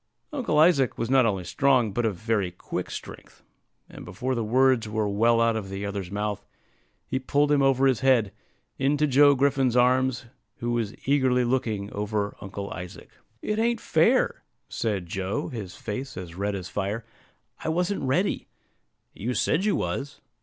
Uncle Isaac was not only strong, but of very quick strength; and before the words were well out of the other's mouth, he pulled him over his head, into Joe Griffin's arms, who was eagerly looking over Uncle Isaac. "It ain't fair," said Joe, his face as red as fire; "I wasn't ready." "You said you was."